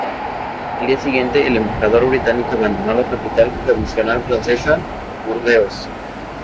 Al día siguiente, el embajador británico abandonó la capital provisional francesa, Burdeos.